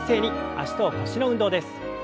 脚と腰の運動です。